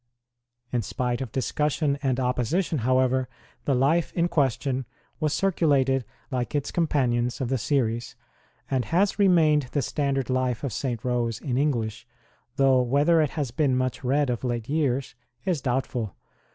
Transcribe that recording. In spite of discussion and opposition, however, the Life in question was circulated like its compan ions of the series, and has remained the standard Life of St. Rose in English, though whether it has been much read of late years is doubtful.